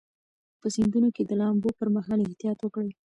په سیندونو کې د لامبو پر مهال احتیاط وکړئ.